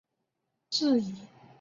质疑该校的做法可能违规。